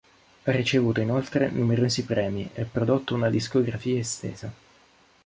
Ha ricevuto inoltre numerosi premi e prodotto una discografia estesa.